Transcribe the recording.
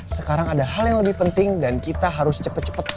sekarang ada hal yang lebih penting dan kita harus cepat cepat